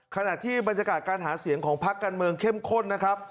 ขณะที่บรรยากาศการหาเสียงของพักการเมืองเข้มข้นนะครับ